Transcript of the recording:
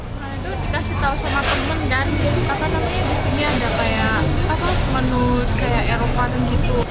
itu dikasih tahu sama temen dan kita tahu namanya disini ada menu kayak eropa itu